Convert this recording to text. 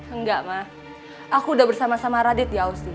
enggak ma aku udah bersama sama radit ya usti